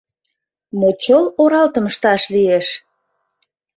Мочол оралтым ышташ лиеш!